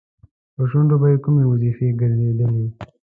په شونډو به یې کومې وظیفې ګرځېدلې؟